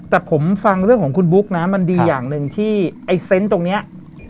แต่ผมฟังเรื่องของคุณบุ๊กนะมันดีอย่างหนึ่งที่ไอ้เซนต์ตรงนี้